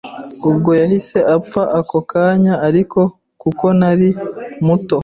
ubwo yahise apfa ako kanya ariko kuko nari muto